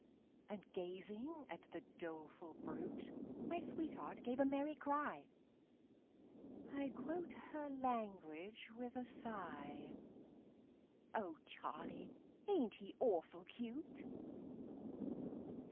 And gazing at the doleful brute My sweetheart gave a merry cry I quote her language with a sigh "O Charlie, ain't he awful cute?"